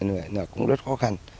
vậy là cũng rất khó khăn